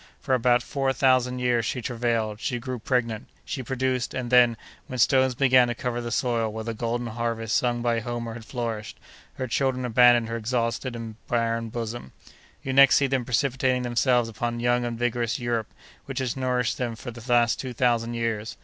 For about four thousand years she travailed, she grew pregnant, she produced, and then, when stones began to cover the soil where the golden harvests sung by Homer had flourished, her children abandoned her exhausted and barren bosom. You next see them precipitating themselves upon young and vigorous Europe, which has nourished them for the last two thousand years.